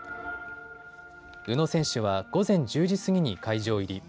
宇野選手は午前１０時過ぎに会場入り。